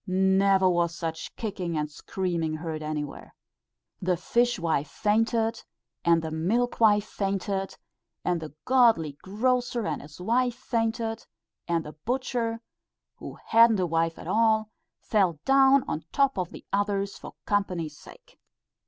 Never was such kicking and screaming heard anywhere. The fishwife fainted, and the milkwife fainted, and the godly grocer and his wife fainted, and the butcher who hadn't a wife at all, fell down on top of the others, for company's sake.